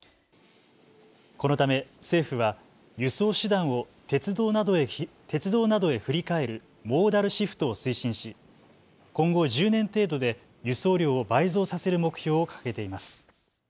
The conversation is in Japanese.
このため政府は輸送手段を鉄道などへ振り替えるモーダルシフトを推進し今後１０年程度で輸送量を倍増させる目標を掲げています。